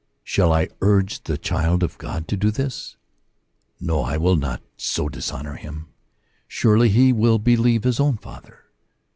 Shall I urge the child of God to do this? No, I will not so dishonor him ; surely he will believe his own Father